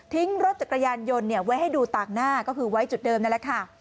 รถจักรยานยนต์ไว้ให้ดูต่างหน้าก็คือไว้จุดเดิมนั่นแหละค่ะ